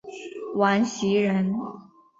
王袭人。